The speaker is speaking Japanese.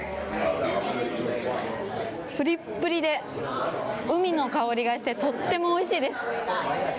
ぷりっぷりで海の香りがしてとてもおいしいです。